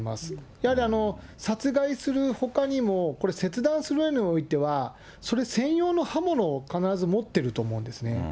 やはり殺害するほかにも、切断するうえにおいては、それ専用の刃物を必ず持っていると思うんですね。